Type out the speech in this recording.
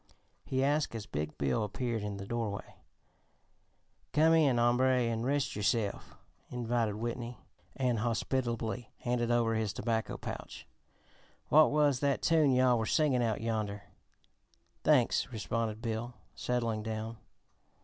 he asked as big Bill appeared in the doorway. "Come in, hombre, an' rest yo'self," invited Whitney, and hospitably handed over his tobacco pouch. "What was that tune yo'all were singin' out yonder?" "Thanks," responded Bill, settling down.